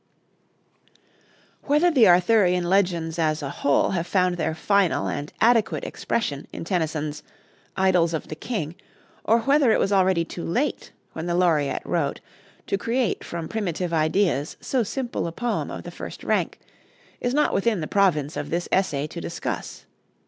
Whether the Arthurian legends as a whole have found their final and adequate expression in Tennyson's 'Idylls of the King,' or whether it was already too late, when the Laureate wrote, to create from primitive ideas so simple a poem of the first rank, is not within the province of this essay to discuss.